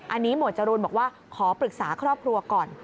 อันนี้หมวดจรูนบอกว่าขอปรึกษาครอบครัวก่อน